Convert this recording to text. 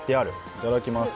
いただきます！